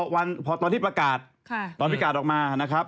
แต่พอตอนพี่ประกาศออกมาตอนพี่ปรากฏออกมานะครับ